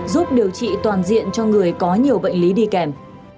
giúp điều trị toàn diện cho người có nhiều bệnh lý đi kèm